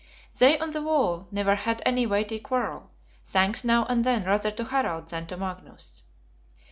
They, on the whole, never had any weighty quarrel, thanks now and then rather to Harald than to Magnus.